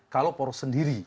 kalau poros sendiri